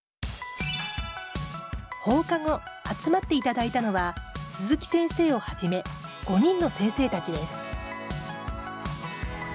放課後集まっていただいたのは鈴木先生をはじめ５人の先生たちです。